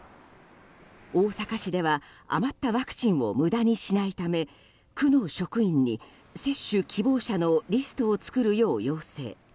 大阪市では余ったワクチンを無駄にしないため区の職員に接種希望者のリストを作るよう要請。